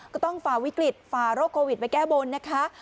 ฝ่าวิกฤตฝ่าโรคโควิดไปแก้บนนะคะ